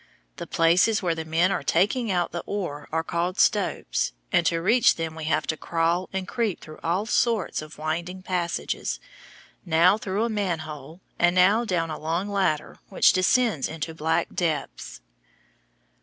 The places where the men are taking out the ore are called "stopes," and to reach them we have to crawl and creep through all sorts of winding passages, now through a "manhole," and now down a long ladder which descends into black depths.